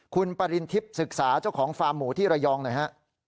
คุณปริณทิพย์ศึกษาเจ้าของฟาร์มหมูที่ระยองหน่อยฮะ